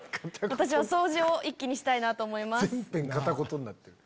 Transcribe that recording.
私は掃除を一気にしたいなと思います。